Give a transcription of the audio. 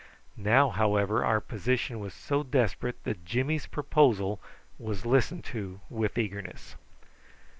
Now, however, our position was so desperate that Jimmy's proposal was listened to with eagerness.